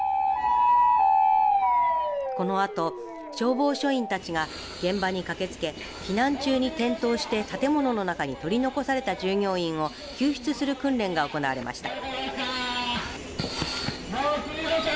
このあと消防署員たちが現場に駆けつけ避難中に転倒して建物の中に取り残された従業員を救出する訓練が行われました。